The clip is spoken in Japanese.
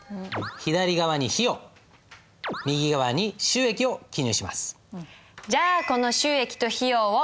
左側に費用右側に収益を記入します。